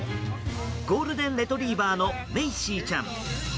ゴールデンレトリバーのメイシーちゃん。